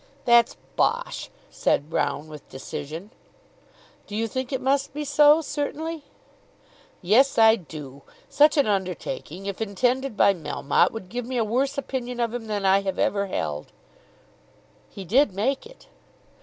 "That's bosh," said Broune with decision. "Do you think it must be so; certainly?" "Yes, I do. Such an undertaking, if intended by Melmotte, would give me a worse opinion of him than I have ever held." "He did make it."